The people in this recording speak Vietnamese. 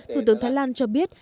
thủ tướng thái lan cho biết